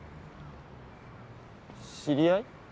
知り合い？